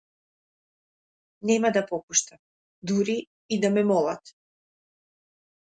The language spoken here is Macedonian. Нема да попуштам дури и да ме молат.